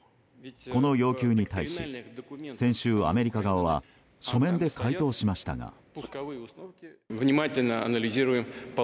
この要求に対し先週アメリカ側は書面で回答しましたが。